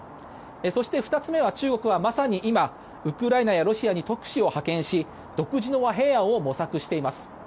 そして、２つ目は中国はまさに今ウクライナやロシアに特使を派遣し独自の和平案を模索しています。